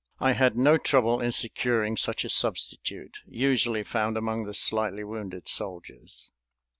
I had no trouble in securing such a substitute, usually found among the slightly wounded soldiers.